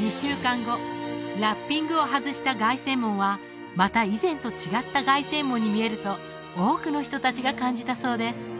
２週間後ラッピングを外した凱旋門はまた以前と違った凱旋門に見えると多くの人達が感じたそうです